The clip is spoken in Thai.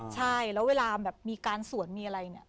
ใช่แล้วเวลามีการสวนมีอะไร